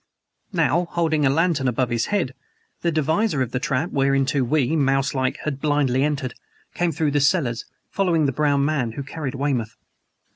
Now, holding a lantern above his head, the deviser of the trap whereinto we, mouselike, had blindly entered, came through the cellars, following the brown man who carried Weymouth.